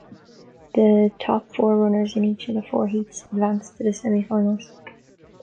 The top four runners in each of the four heats advanced to the semifinals.